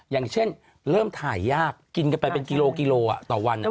อย่างเช่นเริ่มถ่ายยากกินกันไปเป็นกิโลกิโลต่อวัน